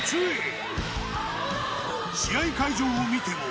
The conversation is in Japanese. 試合会場を見ても。